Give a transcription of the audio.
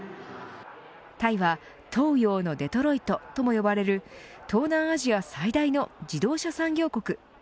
タイは東洋のデトロイトとも呼ばれる東南アジア最大の自動車産業国。